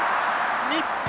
日本